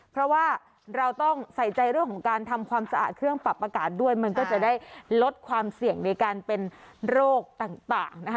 เพราะว่าเราต้องใส่ใจเรื่องของการทำความสะอาดเครื่องปรับอากาศด้วยมันก็จะได้ลดความเสี่ยงในการเป็นโรคต่างนะคะ